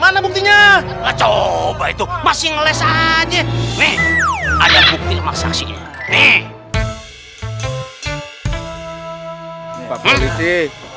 mana buktinya coba itu masih ngeles aja nih ada bukti sama saksinya nih